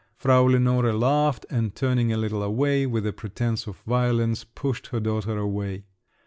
Frau Lenore laughed, and turning a little away, with a pretence of violence, pushed her daughter away.